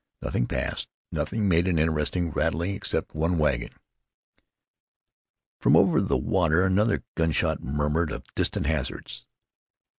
Nothing passed, nothing made an interesting rattling, except one democrat wagon. From over the water another gun shot murmured of distant hazards.